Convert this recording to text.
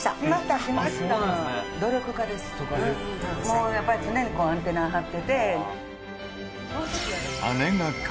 もうやっぱり常にアンテナ張ってて。